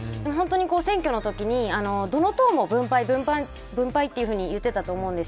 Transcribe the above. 選挙のときに、どの党も分配と言っていたと思うんです。